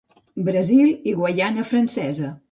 Brasil i Guaiana Francesa.